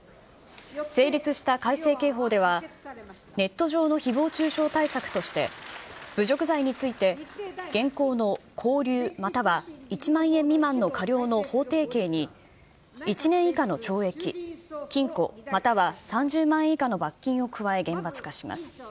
成立した改正刑法では、ネット上のひぼう中傷対策として、侮辱罪について、現行の拘留または１万円未満の科料の法定刑に、１年以下の懲役・禁錮または３０万円以下の罰金を加え、厳罰化します。